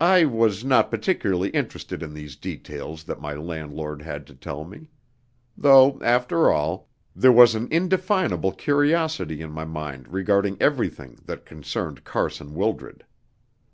I was not particularly interested in these details that my landlord had to tell me. Though, after all, there was an indefinable curiosity in my mind regarding everything that concerned Carson Wildred.